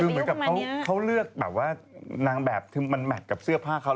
คือมีความเค้าเลือกแบบว่านางแบบที่มันแมะกับเสื้อผ้าเท่า